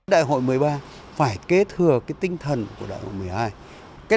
đại hội một mươi ba phải kế thừa tinh thần của đại hội một mươi hai